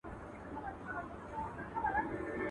o بې عقل جمال خوښوي، عاقل کمال.